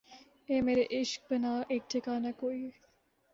اے مرے عشق بنا ایک ٹھکانہ کوئی